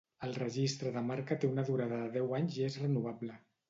El registre de marca té una durada de deu anys i és renovable.